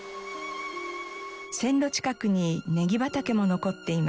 線路近くにネギ畑も残っています。